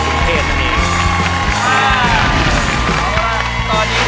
กรุงเทพหมดเลยครับ